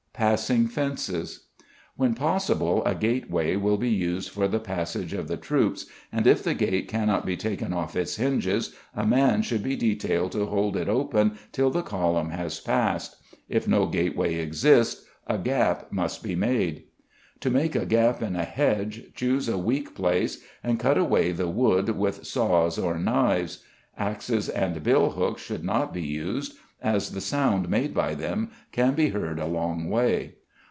Passing Fences. When possible a gateway will be used for the passage of the troops, and if the gate cannot be taken off its hinges a man should be detailed to hold it open till the column has passed; if no gateway exists a gap must be made. To make a gap in a hedge, choose a weak place, and cut away the wood with saws or knives; axes and billhooks should not be used, as the sound made by them can be heard a long way.